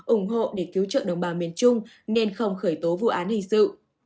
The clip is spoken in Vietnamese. ủng hộ để cứu trợ đồng bào miền trung nên không khởi tố vụ án hình sự